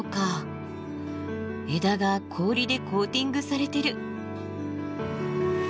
枝が氷でコーティングされてる。